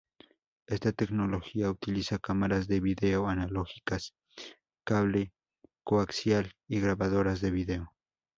Esta tecnología utiliza cámaras de vídeo analógicas, cable coaxial y grabadoras de vídeo.